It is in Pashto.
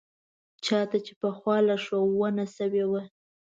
چا ته چې پخوا لارښوونه شوې وه.